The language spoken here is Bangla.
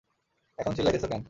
এখন চিল্লাইতেছো কেন?